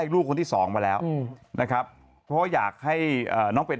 ลูกคนที่สองมาแล้วนะครับเพราะว่าอยากให้น้องเป็น